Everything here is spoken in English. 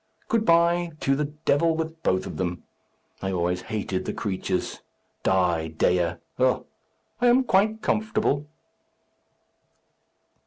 Good bye! To the devil with both of them. I always hated the creatures! Die, Dea! Oh, I am quite comfortable!"